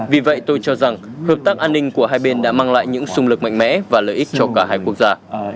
vì vậy tôi cho rằng hợp tác an ninh của hai bên đã mang lại những xung lực mạnh mẽ và lợi ích cho cả hai quốc gia